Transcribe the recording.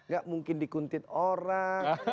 gak mungkin di kuntit orang